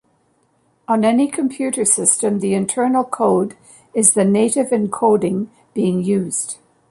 On any computer system, the internal code is the native encoding being used.